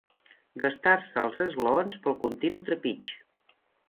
Gastar-se els esglaons pel continu trepig.